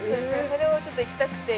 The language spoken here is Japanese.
◆それをちょっと行きたくて。